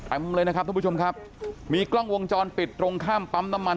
เต็มเลยนะครับทุกผู้ชมครับมีกล้องวงจรปิดตรงข้ามปั๊มน้ำมัน